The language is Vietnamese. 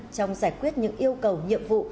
trong giải quyết những yêu cầu nhiệm vụ